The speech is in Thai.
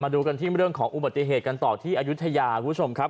ดูกันที่เรื่องของอุบัติเหตุกันต่อที่อายุทยาคุณผู้ชมครับ